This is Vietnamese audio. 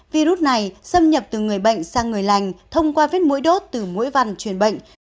virus này xâm nhập từ người bệnh sang người lành thông qua vết mũi đốt từ mũi vằn truyền bệnh